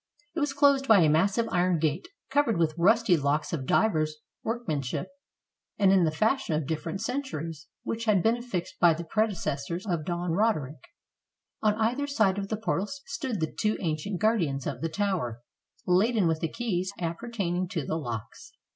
It was closed by a massive iron gate, covered with rusty locks of divers workman ship, and in the fashion of different centuries, which had been affixed by the predecessors of Don Roderick. On either side of the portal stood the two ancient guardians of the tower, laden with the keys appertaining to the locks.